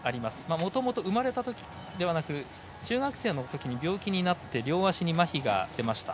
もともと生まれたときではなく中学生のときに病気になって両足にまひが出ました。